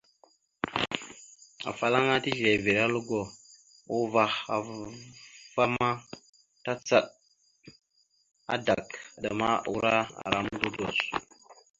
Afalaŋana tislevere aləgo, uvah a ma tacaɗ adak, adəma, ura, ara mododos.